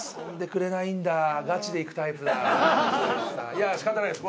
いや仕方ないです。